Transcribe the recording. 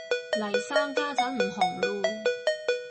嚟生家陣唔紅嚕